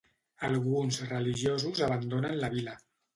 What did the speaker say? Alguns religiosos abandonen la vila.